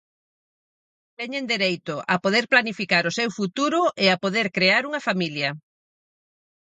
Teñen dereito a poder planificar o seu futuro e a poder crear unha familia.